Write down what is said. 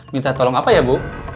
minta tolong apa ya bu